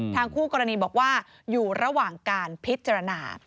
คู่กรณีบอกว่าอยู่ระหว่างการพิจารณา